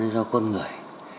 nó do con người